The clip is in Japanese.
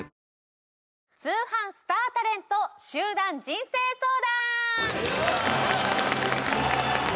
通販スタータレント集団人生相談！